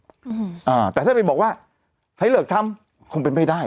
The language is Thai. อืมอ่าแต่ถ้าไปบอกว่าให้เลิกทำคงเป็นไม่ได้